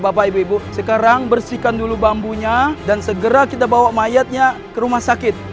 bapak ibu ibu sekarang bersihkan dulu bambunya dan segera kita bawa mayatnya ke rumah sakit